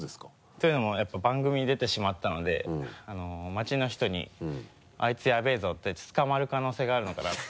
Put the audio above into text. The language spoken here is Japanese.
というのもやっぱ番組に出てしまったので町の人にあいつやべぇぞって捕まる可能性があるのかなって。